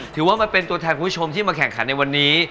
ถือว่าเป็นตัวแทนคุณผู้ชมที่มาแข่งขันในวันนี้